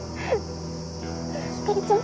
ひかりちゃん？